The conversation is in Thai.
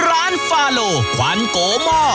ร้านฟาโลขวานโกหม้อ